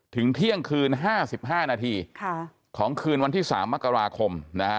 เที่ยงคืน๕๕นาทีของคืนวันที่๓มกราคม